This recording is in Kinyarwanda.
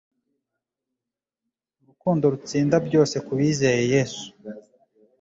Urukundo rutsinda byose kubizeye yesu